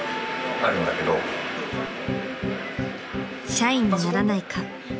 ［「社員にならないか？」］